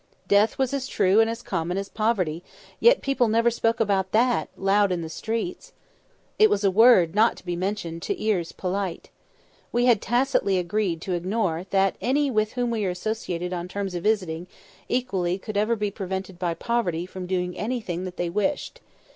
Death was as true and as common as poverty; yet people never spoke about that, loud out in the streets. It was a word not to be mentioned to ears polite. We had tacitly agreed to ignore that any with whom we associated on terms of visiting equality could ever be prevented by poverty from doing anything that they wished.